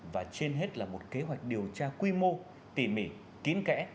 và trên hết là một kế hoạch điều tra quy mô tỉ mỉ kín kẽ